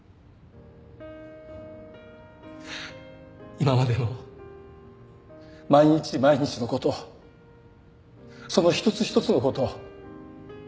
今までの毎日毎日のことその一つ一つのこと。